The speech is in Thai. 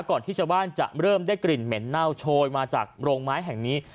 ที่ชาวบ้านจะเริ่มได้กลิ่นเหม็นเน่าโชยมาจากโรงไม้แห่งนี้